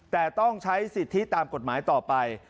แต่ต้องใช้สิทธิตามกฎหมายต่อไป